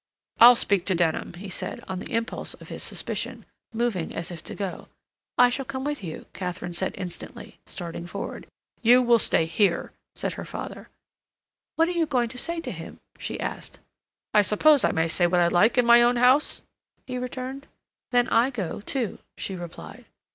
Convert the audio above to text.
"I'll speak to Denham," he said, on the impulse of his suspicion, moving as if to go. "I shall come with you," Katharine said instantly, starting forward. "You will stay here," said her father. "What are you going to say to him?" she asked. "I suppose I may say what I like in my own house?" he returned. "Then I go, too," she replied.